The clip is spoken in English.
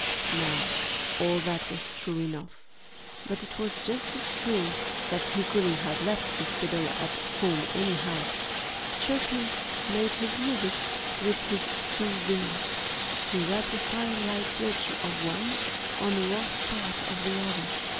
Now, all that was true enough. But it was just as true that he couldn't have left his fiddle at home anyhow. Chirpy made his music with his two wings. He rubbed a file like ridge of one on a rough part of the other.